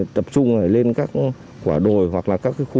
tập trung lên các quả đồi hoặc là đường và tổ chức đánh bạc